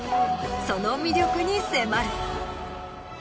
その魅力に迫る。